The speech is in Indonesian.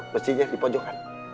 mesinnya di pojokan